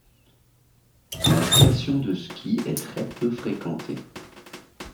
La station de ski est très peu fréquentée.